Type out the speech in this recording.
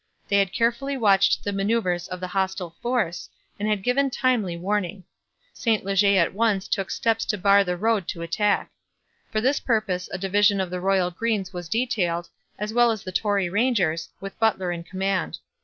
They had carefully watched the manoeuvres of the hostile force, and had given timely warning. St Leger at once took steps to bar the road to attack. For this purpose a division of the Royal Greens was detailed, as well as the Tory Rangers, with Butler in command.